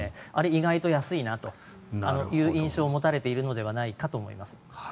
意外と安いなという印象を持たれているのではないかと思います。